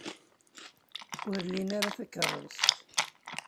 Ur lin ara takeṛṛust.